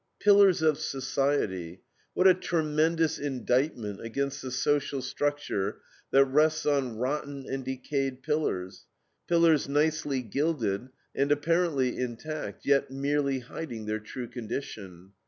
Pillars of Society! What a tremendous indictment against the social structure that rests on rotten and decayed pillars, pillars nicely gilded and apparently intact, yet merely hiding their true condition.